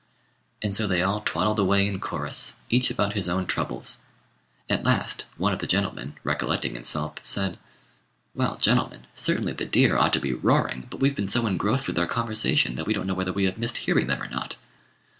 And so they all twaddled away in chorus, each about his own troubles. At last one of the gentlemen, recollecting himself, said "Well, gentlemen, certainly the deer ought to be roaring; but we've been so engrossed with our conversation, that we don't know whether we have missed hearing them or not."